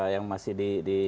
yang masih di